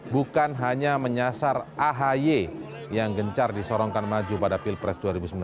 bukan hanya menyasar ahy yang gencar disorongkan maju pada pilpres dua ribu sembilan belas